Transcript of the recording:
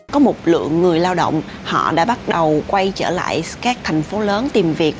có một lượng người lao động họ đã bắt đầu quay trở lại các thành phố lớn tìm việc